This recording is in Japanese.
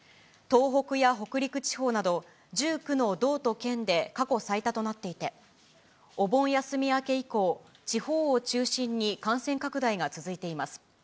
東北や北陸地方など、１９の道と県で過去最多となっていて、お盆休み明け以降、地方を中心に感染拡大が続いています。